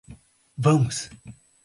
Vamos